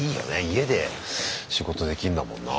家で仕事できるんだもんな。